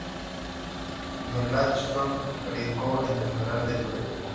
Melanchthon predicó en el funeral de Lutero.